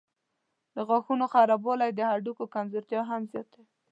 د غاښونو خرابوالی د هډوکو کمزورتیا هم زیاتوي.